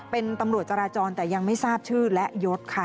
เป็นตำรวจจราจรแต่ยังไม่ทราบชื่อและยศค่ะ